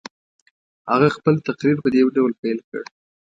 هغه خپل تقریر په دې ډول پیل کړ.